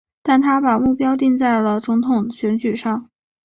但他把目标定在了总统选举上。